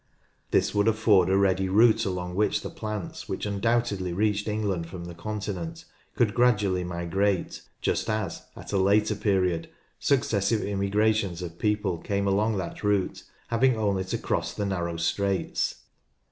This would afford a ready route along which the plants which undoubtedly reached England from the Continent could gradually migrate, just as, at a later period, successive immigrations of people came along that route, having only to cross the narrow straits.